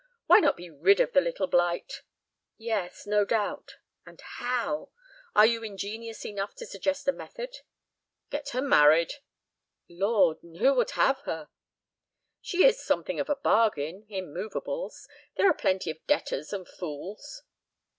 "Why not be rid of the little blight?" "Yes, no doubt—and how? Are you ingenious enough to suggest a method?" "Get her married." "Lord! And who would have her?" "She is something of a bargain—in movables. There are plenty of debtors and fools."